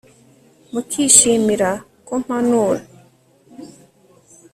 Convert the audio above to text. mukishimira ko mpanura